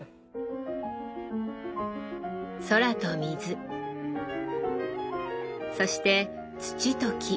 空と水そして土と木。